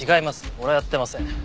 俺はやってません。